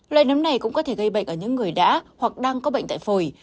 loại nấm này cũng có thể gây bệnh ở những người đã hoặc đang có bệnh tại phổi